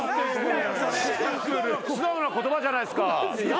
素直な言葉じゃないですか。